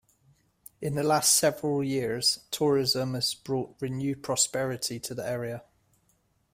In the last several years, tourism has brought renewed prosperity to the area.